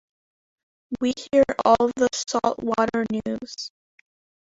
We hear all the salt-water news.